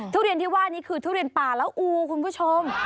ทุเรียนที่ว่านี้คือทุเรียนป่าแล้วอูคุณผู้ชม